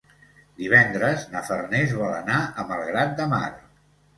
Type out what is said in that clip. Divendres na Farners vol anar a Malgrat de Mar.